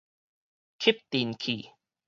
吸塵器